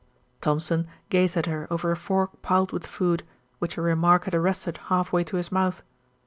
Thompson gazed at her over a fork piled with food, which her remark had arrested half way to his mouth.